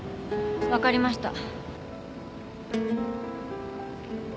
分かりました。